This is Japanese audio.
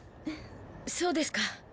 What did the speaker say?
そうですか。